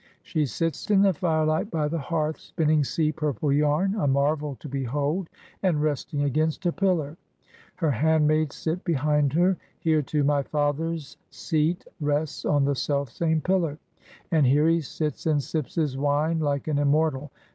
She sits in the firelight by the hearth, spin ning sea purple yam, a marvel to behold, and resting 32 PRINCESS NAUSICAA AND THE SAILOR against a pillar. Her handmaids sit behind her. Here too my father's seat rests on the selfsame pillar, and here he sits and sips his wine like an immortal.